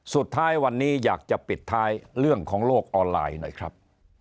สุดท้ายวันนี้อยากจะปิดท้ายเรื่องของโลกออนไลน์หน่อยครับ